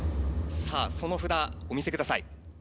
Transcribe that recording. さあその札お見せください。